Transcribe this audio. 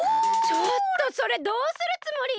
ちょっとそれどうするつもり！？